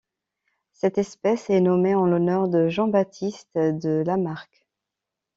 Cette espèce est nommée en l'honneur de Jean-Baptiste de Lamarck.